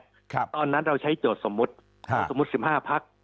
ครับตอนนั้นเราใช้โจทย์สมมุติครับสมมุติสิบห้าพัก